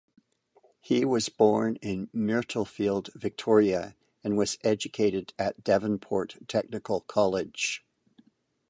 He was born in Myrtleford, Victoria, and was educated at Devonport Technical College.